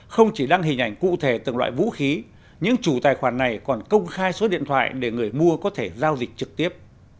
không chỉ đăng hình ảnh cụ thể từng loại vũ khí những chủ tài khoản này còn công khai số điện thoại để người mua có thể giao dịch trực tiếp